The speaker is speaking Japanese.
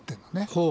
ほう。